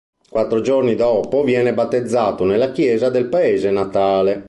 Quattro giorni dopo viene battezzato nella chiesa del paese natale.